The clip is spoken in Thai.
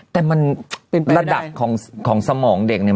แต่ระดับของสมองเด็กเนี่ย